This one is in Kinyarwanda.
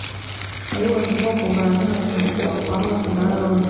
wayoboje ubwoko bwawe nk’umukumbi ukuboko kwa mose na aroni